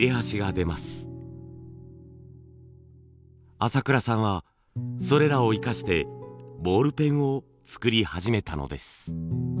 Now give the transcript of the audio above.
朝倉さんはそれらを生かしてボールペンを作り始めたのです。